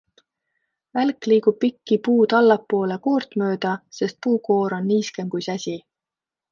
Välk liigub piki puud allapoole koort mööda, sest puukoor on niiskem kui säsi.